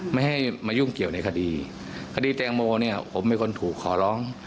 ไม่ให้มายุ่งเกี่ยวในคดีคดีแตงโมเนี่ยผมเป็นคนถูกขอร้อง